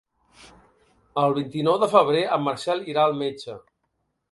El vint-i-nou de febrer en Marcel irà al metge.